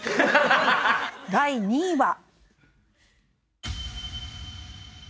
第２位は。